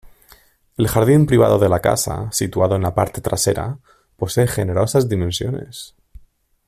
El jardín privado de la casa, situado en la parte trasera, posee generosas dimensiones.